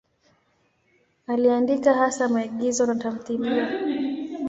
Aliandika hasa maigizo na tamthiliya.